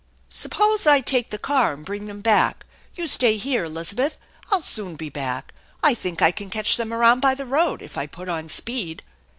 " Suppose I take the car and bring them back. You staj here, Elizabeth. I'll soon be back. I think I can catch them around by the road if I put on speed."